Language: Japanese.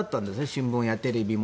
新聞やテレビも。